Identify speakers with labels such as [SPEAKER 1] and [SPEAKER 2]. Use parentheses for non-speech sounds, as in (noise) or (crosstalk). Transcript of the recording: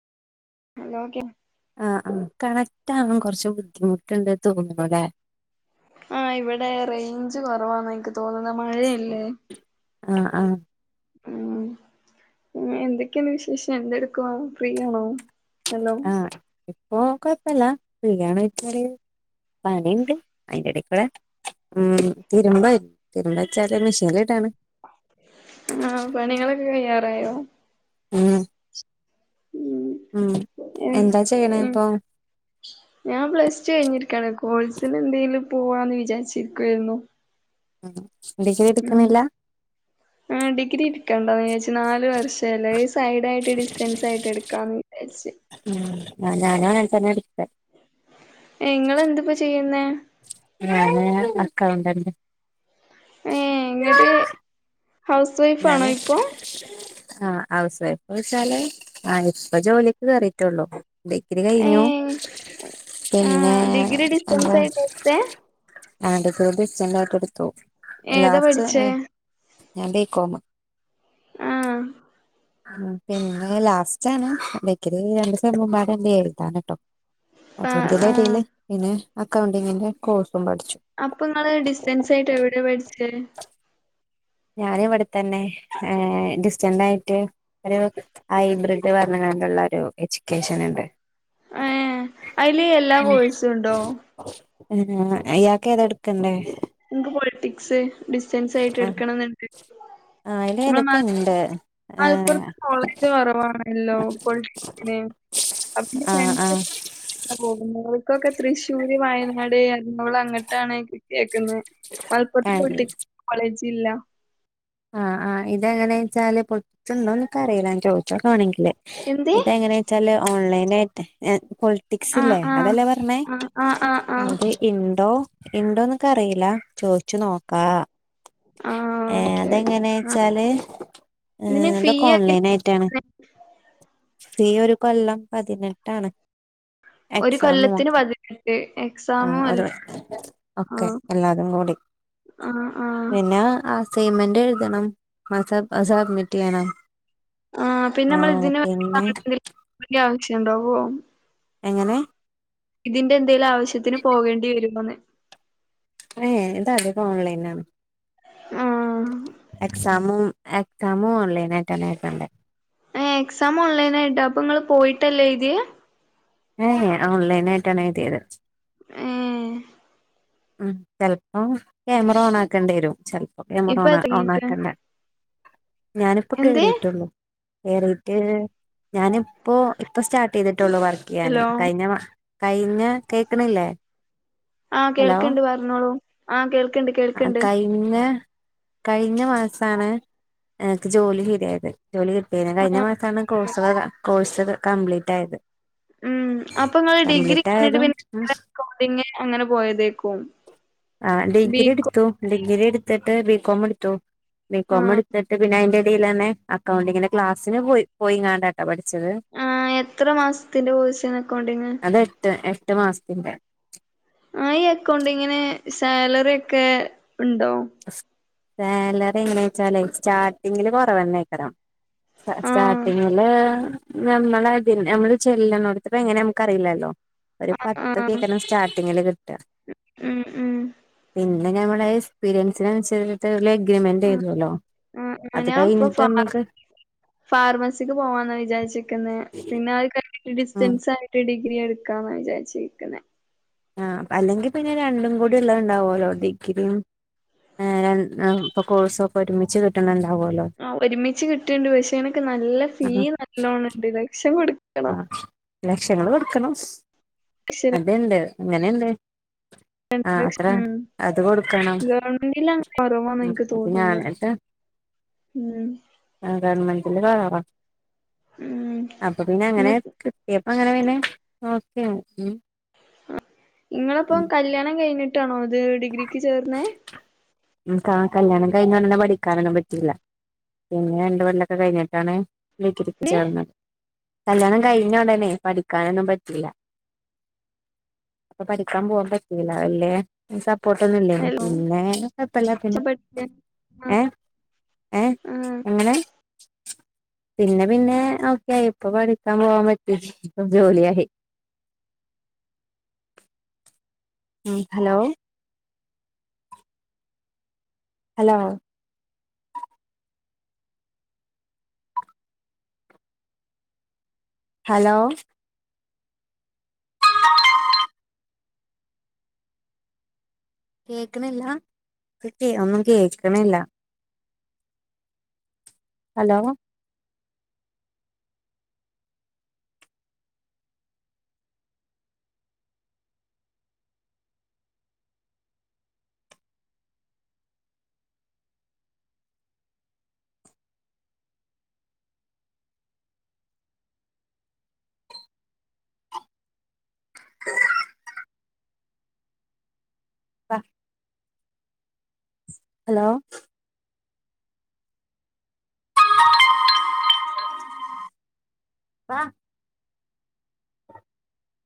[SPEAKER 1] ഹലോക്ക
[SPEAKER 2] ആഹ ആ കണക്റ്റ് ആകാൻ കുറച്ച് ബുദ്ധിമുട്ടുണ്ട് തോന്ന് ലേ
[SPEAKER 1] ആഹ ഇവിടെ റേഞ്ച് കൊറവാന്ന എനിക്ക് തോന്നുന്ന മഴയല്ലേ
[SPEAKER 2] ആ ആ
[SPEAKER 1] ഉ എന്തൊക്കെയുണ്ട്‌വിശേഷം എന്തെടുക്കവാ ഫ്രീയാണോ ഹലോ
[SPEAKER 2] ഓ കൊഴപ്പല്ല ഫ്രീയാണെച്ചാല് പണിയുണ്ട് അയിന്റെടക്കൂടെ ഉ തിരുമ്പ തിരുമ്പ വെച്ചാല് മെ ശീലട്ടാണ്
[SPEAKER 1] ആഹ് പണികളൊക്കെ (unintelligible)
[SPEAKER 2] ഉം
[SPEAKER 1] ഉം
[SPEAKER 2] ഉ എന്താ ചെയ്യണ
[SPEAKER 1] ഉം
[SPEAKER 2] ഇപ്പൊ
[SPEAKER 1] ഞാൻ പ്ലസ് ടു കഴിഞ്ഞിരിക്കയാണ് കോളസിന് എന്തെങ്കിലും പോവാന്ന് വിചാരിച്ചിരിക്കുവായിരുന്നു
[SPEAKER 2] ഉം ക്ഷെ ട് കണില്ല
[SPEAKER 1] ആ ഡിഗ്രി ഇരിക്കാണ്ടന്ന് ച്ച്‌നാല് വർഷം അല്ലേ സൈഡ ആയിട്ട് ഡിസ്റ്റൻസ് ആയിട്ട് എടുക്കാന്ന് (unintelligible)
[SPEAKER 2] ആ ഞാന്നും അങ്ങനെ തന്നെ ടിക്കാ
[SPEAKER 1] നിങ്ങെളെന്താപ്പൊ ചെയ്യുന്നേ
[SPEAKER 2] ഞാന് അക്കൗണ്ടന്റ്
[SPEAKER 1] ഏ ഇങ്ങട്ട്ഹൗസ് വൈഫാണോ ഇപ്പൊ
[SPEAKER 2] ആഹ ഹൗസ് വൈഫ് വച്ചാല് ആ ഇപ്പ ജോലിക്ക് കേറിീട്ടുള്ളൂ ഡഗ്രി കഴിഞ്ഞു
[SPEAKER 1] ഏഹ് ആ
[SPEAKER 2] പിന്നെ
[SPEAKER 1] ഡിഗ്രി ഡിസ്റ്റൻസ്
[SPEAKER 2] എന്തോ
[SPEAKER 1] ആയിട്ട് എടുത്തെ
[SPEAKER 2] അ ബിന്റ ആായിട്ട് എടുത്തു
[SPEAKER 1] ഏതാ
[SPEAKER 2] ലാസ്റ്റ്
[SPEAKER 1] പഠിച്ചേ
[SPEAKER 2] ഏഹ് ഞാൻ പീക്കോമ
[SPEAKER 1] ആഹ
[SPEAKER 2] ഉ പിന്നെ ലാസ്റ്റണ് ബക്കില് രണ്ടുസം മുമ്പാടെണ്ട് എഴുതൻ കേട്ടോ അത
[SPEAKER 1] ആ
[SPEAKER 2] എന്തല
[SPEAKER 1] ആ
[SPEAKER 2] അറില് പിന്നെ അക്കൗണ്ടിങ്ങിന്റെ കോഴ്സ്
[SPEAKER 1] അപ്പ നിങ്ങള് ഡിസ്റ്റൻസ് ആയിട്ട് എവിടെയ പേഠിച്ച
[SPEAKER 2] ഞാന ഇവിടെത്തന്നെ ഡിസ്റ്റന്റ് ആയിട്ട് ഒരു ഹൈബ്രിഡ് പറഞ്ഞ എജ്യക്കേഷൻ ഉണ്ട്
[SPEAKER 1] ഏ അതില് എല്ലാ കോഴ്സും ഉണ്ടോ
[SPEAKER 2] ആ അയാക്ക ഏതെടുക്കണ്ടേ
[SPEAKER 1] നിനിക്ക് പോൊളിറ്റിക്സ് ഡിസറ്റൻസ് ആയിട്ട് എടുക്കണെന്നണ്ട്
[SPEAKER 2] ആ ഇല തൊക്കെ ഉണ്ട് ആഹ്
[SPEAKER 1] അലപ്പുറത്ത് കോളേജ് കുറവാണല്ലോ പൊളിറ്റന് അപ്പന്റെ
[SPEAKER 2] ആഹ്
[SPEAKER 1] ഫ്രണ്ട്സ്
[SPEAKER 2] ആഹ്
[SPEAKER 1] പോകുന്നത് ഇക്കൊക്കെ തൃശ്ശൂര് വയനാട് അോള അങ്ങോട്ടാണ് മലപ്പുറ പോൊളിക് കോളേജ് ഇല്ല
[SPEAKER 2] ആഹ് ആഹ ഇതെങ്ങനെയാ വെച്ചാല് പൊട്ടുണ്ടോ എന്നൊക്കെ അറിയില്ല ഞാൻ ചോദിച്ചോക്കാണെങ്കിൽ
[SPEAKER 1] എന്തേ
[SPEAKER 2] ഇതെങ്ങനെ വച്ചാല് ഓൺലൈനായിട്ട്
[SPEAKER 1] ആഹ്
[SPEAKER 2] ക്ല്ലേ
[SPEAKER 1] ആഹ്
[SPEAKER 2] അതല്ലേ
[SPEAKER 1] ആഹ് ആഹ് ആഹ് ആഹ്
[SPEAKER 2] പറഞ്ഞേത് ഇൻഡോ ഉണ്ടോന്നൊക്കെ അറിയില്ല ചോദിച്ചു നോക്കാ
[SPEAKER 1] ആഹ്
[SPEAKER 2] ഏ
[SPEAKER 1] ഓക്കെ ഓക്കെ
[SPEAKER 2] അതെങ്ങനാ
[SPEAKER 1] ആഹ്
[SPEAKER 2] വെച്ചാല് ഏ
[SPEAKER 1] ഇതിന് ഫീ
[SPEAKER 2] അതൊക്കെ
[SPEAKER 1] ഒക്കെ
[SPEAKER 2] ഓൺലൈൻ ആയിട്ടാണ്
[SPEAKER 1] എത്രയാ?
[SPEAKER 2] ശത്രീ ഒരു കൊല്ലം പതിനെട്ടാണ്
[SPEAKER 1] ഒരു കൊല്ലത്തിന് വതിട്ട്
[SPEAKER 2] ആ ഒരു ഓക്കെ
[SPEAKER 1] ആഹ്
[SPEAKER 2] എല്ലാതും കൂടി
[SPEAKER 1] ആഹ് ആഹ്
[SPEAKER 2] പിന്നെ ആ സീമെന്റ് എഴുതണം മസബ് അസാബ്ിട്ടിയണം
[SPEAKER 1] ആ പിന്നെ നമ്മൾ ഇതിന് വേണ്ട വ ആവശ്യുണ്ടാവോ
[SPEAKER 2] എങ്ങനെ
[SPEAKER 1] ഇതിറെ എന്തേലും ആവശ്യത്തിന് പോകേണ്ടി വരുമോെന്ന്
[SPEAKER 2] ഏ ഇതാ അധ ഓൺലൈന
[SPEAKER 1] ആഹ്
[SPEAKER 2] സമൂം സമൂവുംല്ലേട്ടന ആക്കണ്ട്
[SPEAKER 1] ഏഹ് എക്സാം ഓൺലൈൻ ആയിട്ടാ അപ്പൊ ഇങ്ങള് പോയിട്ടല്ലേ ഇത്
[SPEAKER 2] ഏ ഓലൈൻ യിട്ടന്നെ ഇതിത്
[SPEAKER 1] ആഏ
[SPEAKER 2] ഉ ചിലപ്പോം ക്യാമറ ഓൺ ആക്കേണ്ടി വരും ചപ്പോ
[SPEAKER 1] ഇപ്പൊ
[SPEAKER 2] മറോണ
[SPEAKER 1] എറങ്ങീട്ട്
[SPEAKER 2] ഓണക്കന്നെ ഞാനിപ്പോ
[SPEAKER 1] എന്ത്
[SPEAKER 2] കേറീട്ടുള്ളൂ കേറിയിട്ട് ഞാനിപ്പോ ഇപ്പൊ സ്റ്റാർട്ട് ചെയ്തിട്ടുള്ളു വർക്ക് ചെയ്യാന്േ
[SPEAKER 1] ഹലോ
[SPEAKER 2] കഴിഞ്ഞ കഴിഞ്ഞ കേക്കണില്ലേ
[SPEAKER 1] ആഹ്
[SPEAKER 2] ഹലോ
[SPEAKER 1] കേൾക്കണ്ട് പറഞ്ഞോളൂ ആഹ കേൾക്കണ്ട്
[SPEAKER 2] ആ
[SPEAKER 1] കേൾക്കണ്ട്
[SPEAKER 2] കഴിഞ്ഞ കഴിഞ്ഞ മാസമാണ് എനക്ക് ജോലി ചെയരയത് ജോലി കിട്ടിയരുന്നു കഴിഞ്ഞ മാസമാണ്
[SPEAKER 1] ആഹ്
[SPEAKER 2] കോഴ്സ കോഴ്സ് കംപ്ലീറ്റ് ആയത്
[SPEAKER 1] ഉം അപ്പൊ നിൾ ഡിഗ്രി
[SPEAKER 2] കംപ്ലീറ്റ്
[SPEAKER 1] കണിട്ട്
[SPEAKER 2] ആയതും ഉം
[SPEAKER 1] പിന്നെോഡ അങ്ങനെ പോയതേക്കും
[SPEAKER 2] ആഹ ഡിഗ്രി
[SPEAKER 1] ബികോം
[SPEAKER 2] എടുത്തു ഡിഗ്രി എടുത്തിട്ട് ബികോം എടുത്തു ബികോം
[SPEAKER 1] ആഹ്
[SPEAKER 2] എടുത്തിട്ട് പിന്നെ അതിന്റെ ഇടയിൽ തന്നെ അക്കൗണ്ടിങ്ങിന്റെ ക്ലാസ്സിന് പോയി പോയിങ്ങണ്ടാട്ട പഠിച്ച
[SPEAKER 1] ആ എത്ര മാസത്തിന്റെ പോഴസ നക്കണ്ടങ്
[SPEAKER 2] ഇഷ്ടമാസന്റെ
[SPEAKER 1] ആ ഈ അക്കൗണ്ട് ഇങ്ങനെ സാലറി ഒക്കെ ഉണ്ടോ
[SPEAKER 2] സാലറി എങ്ങനെ വെച്ചാലേ സ്റ്റാർട്ടിങ്ങില് കൊറവ തന്നക്കരാാം സ്റ്റ
[SPEAKER 1] ആഹ്
[SPEAKER 2] സ്റ്റാർട്ടിങ്ങില് നമ്മളതിൽ നമ്മള് ചെല്ല് നോട്ത്പങ്ങനെ നമുക്ക്റിയില്ലല്ലോ ഒരു
[SPEAKER 1] ആഹ്
[SPEAKER 2] പത്ത്
[SPEAKER 1] ആഹ്
[SPEAKER 2] കേക്കന സ്റ്റാർട്ടിങ്ങില് കിട്ട
[SPEAKER 1] ഉം ഉം
[SPEAKER 2] പിൻ ന്നെ ഞമ്മളെ എക്സ്പീരിയൻസിനൻസരിച്ട്ട് ലെഗ്രിമെന്റ്
[SPEAKER 1] ആഹ്
[SPEAKER 2] യ്തോല്ലോ
[SPEAKER 1] ആഹ് ഞ ഞാൻ ഇപ്പൊ ഫാറൊ ഫാർമസിക്ക് പോവാന്ന വിചാരിച്ചിക്ന്നേ പിന്നെ അഹ് കൈ
[SPEAKER 2] ആഹ്
[SPEAKER 1] ഡിസ്റ്റൻസ് ആയിട്ട് ഡിഗ്രി എടുക്കാന്ന വിചാരിച്ചിരിക്ന്നെ
[SPEAKER 2] ആഹ് അല്ലെങ്കി പിന്നെ രണ്ടും കൂടി ഇള്ളേഹ്ണ്ടാവോലോ ഡിഗ്രിം ഏഹ് രൺ ഏ പൊ കോഴ്സൊക്കെ ഒരുമിച്ച് കിട്ട്ണെണ്ടാ
[SPEAKER 1] ആഹ് ഒരുമിച്ച് കിട്ട്ണ്ട് പക്ഷെ അയ്നൊക്കെ നല്ല ഫീ നല്ലോണണ്ട് ലക്ഷം കൊടു
[SPEAKER 2] ആ
[SPEAKER 1] ക്യണോ
[SPEAKER 2] ലക്ഷങ്ങള് കൊടുക്കണം
[SPEAKER 1] ലക്ഷം
[SPEAKER 2] അത്ണ്ട് അങ്ങനെണ്ട്
[SPEAKER 1] രണ്ട്
[SPEAKER 2] ആഹ്
[SPEAKER 1] ലക്ഷം
[SPEAKER 2] അത്ര
[SPEAKER 1] ഉം
[SPEAKER 2] അത് കൊടുക്കണം
[SPEAKER 1] ഗവൺമെന്റിൽ അങ്ങനെ കുറവാന്ന്
[SPEAKER 2] ഉം
[SPEAKER 1] എനിക്ക്
[SPEAKER 2] ഇത് ഞാൻ
[SPEAKER 1] തോന്നുന്നേ
[SPEAKER 2] ന്ന്ട്ട്
[SPEAKER 1] ഉം
[SPEAKER 2] ആഹ് ഗവൺമെന്റില് കേറ
[SPEAKER 1] ഉം
[SPEAKER 2] പ്പം പിന്നെ അങ്ങനെ
[SPEAKER 1] നി
[SPEAKER 2] കിട്ടയപ്പങ്ങനെ പിന്നെ നോക്ക ഉം
[SPEAKER 1] ഉം ഇങ്ങളപ്പം കല്യാണം കഴിഞ്ഞിട്ടാണോ ഇത് ഡിഗ്രിക്ക് ചേർന്നേ
[SPEAKER 2] ൻകാ കല്യാണം കഴിഞൊടെനെ പഠിക്കാനൊന്നും പറ്റിയില്ല. പിന്നെ രണ്ട് വല്ലോക്കെ കഴിഞ്ഞിട്ടാണ് ഡിഗ്രിക് ചേർന്നത്. കല്ല്യാണം കഴിഞ്ഞോടനെ പഠിക്കാനൊന്നും പറ്റില്ല അപ്പൊ പരിക്കാൻ പോവാൻ പറ്റീല വല്യേ സപ്പോട്ടൊന്നുംല്ലേനി
[SPEAKER 1] ഹലോ
[SPEAKER 2] പിന്നെ പ്പല്ല പിന്നെ
[SPEAKER 1] ആ
[SPEAKER 2] ഏഹ് ഏഹ്
[SPEAKER 1] ആ
[SPEAKER 2] എങ്ങനെ പിന്നെ പിന്നെ ഓക്കേയി ഇപ്പൊ പഠിക്കാൻ പോവാൻ പറ്റി പ്പോ ജോലിയായി. ഉം ഹലോ ഹലോ ഹലോ കേക്ക്ണില്ലാ ഇല്ല്യയ് ഒന്നും കേക്ക്ണില്ല ഹലോ ഹലോ